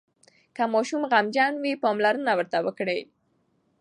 که ماشوم غمجن وي، پاملرنه ورته وکړئ.